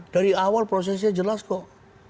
dari awal prosesnya jelas kok